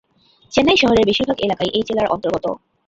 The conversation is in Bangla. চেন্নাই শহরের বেশিরভাগ এলাকাই এই জেলার অন্তর্গত।